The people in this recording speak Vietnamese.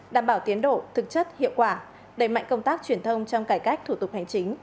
đảm bảo tiến độ thực chất hiệu quả đẩy mạnh công tác truyền thông trong cải cách thủ tục hành chính